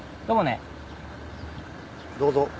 どうぞ。